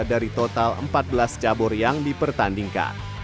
dari total empat belas cabur yang dipertandingkan